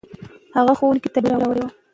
هغه ښوونځي ته ډوډۍ راوړې وه.